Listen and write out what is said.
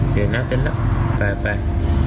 เดี๋ยวนับเต็มแล้วไปไป